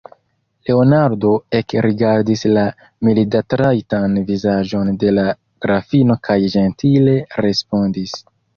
Leonardo ekrigardis la mildatrajtan vizaĝon de la grafino kaj ĝentile respondis: